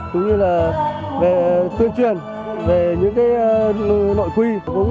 cũng như là tuyên truyền về những nội quy